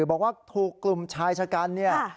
บอกว่าถูกกลุ่มชายชะกันเนี่ย